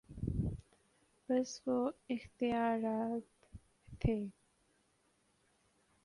بس جو اختیارات تھے۔